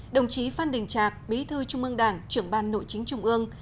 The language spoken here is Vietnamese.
đồng chí phan đình trạc bí thư trung ương đảng trưởng ban nội chính trung ương